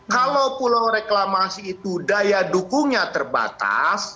kalau pulau reklamasi itu daya dukungnya terbatas